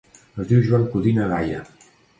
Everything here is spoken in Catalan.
Es diu Joan Codina Gaia.